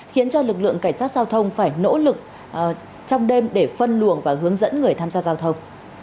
khiến cho lực lượng cảnh sát giao thông phải nỗ lực trong đêm để phân luồng và hướng dẫn người tham gia giao thông